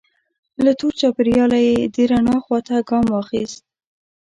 له تور چاپیریاله یې د رڼا خوا ته ګام واخیست.